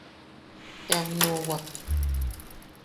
Team nuʼuwak.